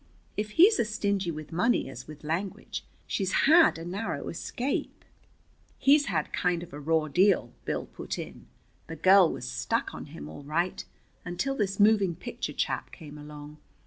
If he's as stingy with money as with language she's hard a narrow escape." "He's had kind of a raw deal," Bill put in. "The girl was stuck on him all right, until this moving picture chap came along.